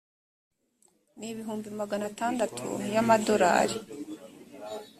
n ibihumbi magana atandatu yamadorari